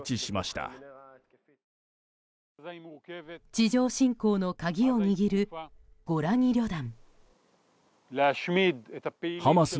地上侵攻の鍵を握るゴラニ旅団。